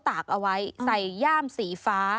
ตากเอาไว้ใส่ย่ามสีฟ้า